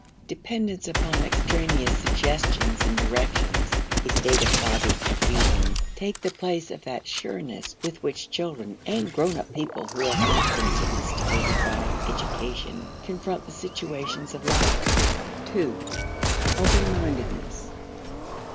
Dependence upon extraneous suggestions and directions, a state of foggy confusion, take the place of that sureness with which children (and grown up people who have not been sophisticated by "education") confront the situations of life. 2. Open mindedness.